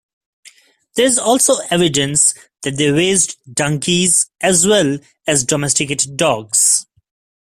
There is also evidence that they raised donkeys, as well as domesticated dogs.